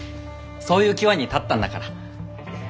そういう際に立ったんだから。